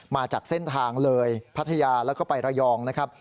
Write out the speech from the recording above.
มาจากเส้นทางเลยพัทยาแล้วก็ไประยองนะครับ